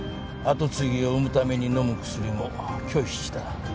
跡継ぎを産むために飲む薬も拒否した。